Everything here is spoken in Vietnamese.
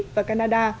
mexico mỹ và canada